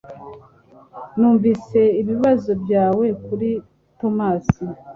Numvise ibibazo byawe kuri Tomasi.